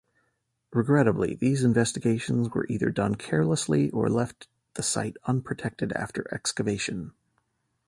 Regrettably, these investigations were either done carelessly, or left the site unprotected after excavation.